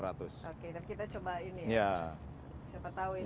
siapa tau ini ada apa apa